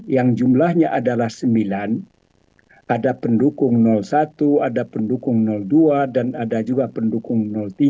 yang jumlahnya adalah sembilan ada pendukung satu ada pendukung dua dan ada juga pendukung tiga